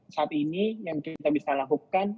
saat ini yang kita bisa lakukan